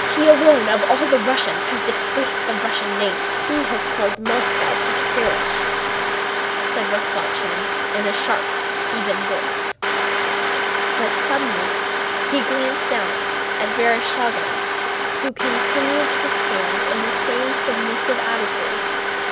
He alone of all the Russians has disgraced the Russian name, he has caused Moscow to perish," said Rostopchín in a sharp, even voice, but suddenly he glanced down at Vereshchágin who continued to stand in the same submissive attitude.